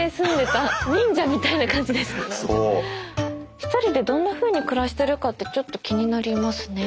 １人でどんなふうに暮らしてるかってちょっと気になりますね。